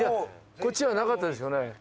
こっちはなかったですよね。